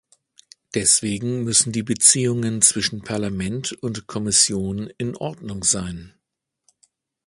Deswegen müssen die Beziehungen zwischen Parlament und Kommission in Ordnung sein.